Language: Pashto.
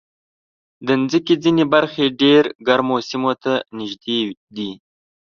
د مځکې ځینې برخې ډېر ګرمو سیمو ته نږدې دي.